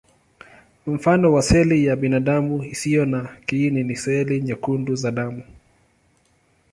Mfano wa seli ya binadamu isiyo na kiini ni seli nyekundu za damu.